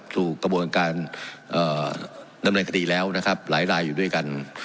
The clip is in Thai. กระบวนการดำเนินคดีแล้วนะครับหลายรายอยู่ด้วยกัน